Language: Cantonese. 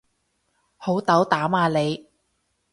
好斗膽啊你